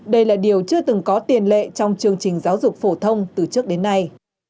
đây là điều chưa từng có tiền lệ trong chương trình giáo dục phổ thông từ trước đến nay